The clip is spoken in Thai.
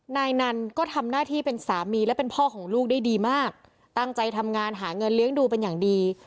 นายนันก็ทำหน้าที่เป็นสามีและเป็นพ่อของลูกได้ดีมากตั้งใจทำงานหาเงินเลี้ยงดูเป็นอย่างดี